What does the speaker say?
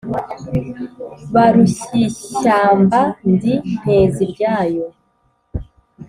Barushyishyamba ndi Nteziryayo.